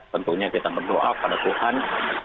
tentunya kita berdoa pada tuhan